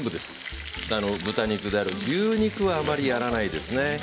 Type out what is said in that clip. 豚肉でも牛肉は、あまりやらないですね。